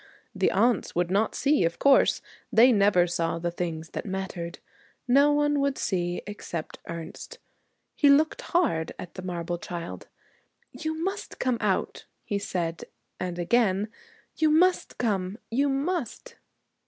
The aunts would not see, of course. They never saw the things that mattered. No one would see except Ernest. He looked hard at the marble child. 'You must come out,' he said; and again, 'You must come, you must.'